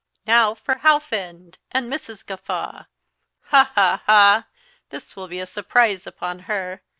"Now for Howffend and Mrs. Gawffaw! ha, ha, ha! This will be a surprise upon her.